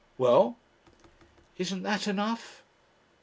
"Well?" "Isn't that enough?"